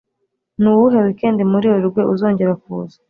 Nuwuhe wikendi muri Werurwe uzongera kuza?